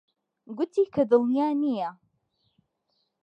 گوتی کە دڵنیا نییە.